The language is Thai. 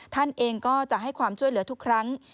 ท่านเองก็จะให้ความช่วยเหลือทุกครั้ง